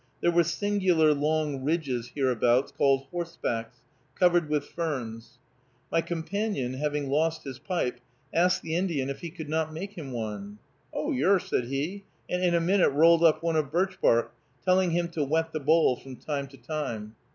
There were singular long ridges hereabouts, called "horsebacks," covered with ferns. My companion, having lost his pipe, asked the Indian if he could not make him one. "Oh, yer," said he, and in a minute rolled up one of birch bark, telling him to wet the bowl from time to time.